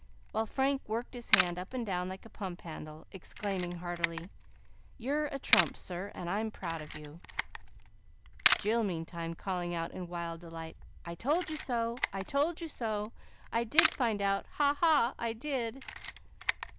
while Frank worked his hand up and down like a pump handle, exclaiming heartily, "You're a trump, sir, and I'm proud of you!" Jill meantime calling out, in wild delight, "I told you so! I told you so! I did find out; ha, ha, I did!"